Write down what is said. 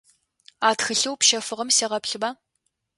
А тхылъэу пщэфыгъэм сегъэплъыба.